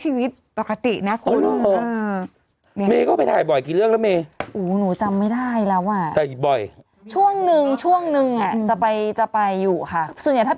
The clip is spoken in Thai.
ใช่เขาแต่งไว้แบบนี้อยู่แล้วเนี่ยเห็นไหมมีเสาไว้น้ำไว้น้ำนี้